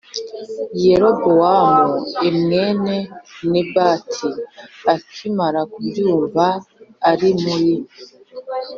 Yerobowamu e mwene nebati akimara kubyumva ari muri